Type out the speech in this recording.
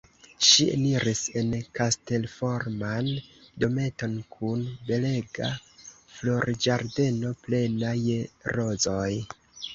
Ŝi eniris en kastelforman dometon kun belega florĝardeno plena je rozoj.